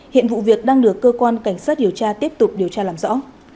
hiện vụ việc đang được cơ quan cảnh sát điều tra tiếp tục điều tra làm rõ